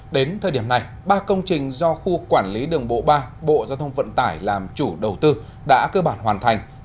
đến thời điểm này ba công trình do khu quản lý đường bộ ba bộ giao thông vận tải làm chủ đầu tư đã cơ bản hoàn thành